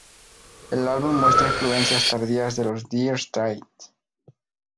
El álbum muestra influencias tardías de los Dire Straits.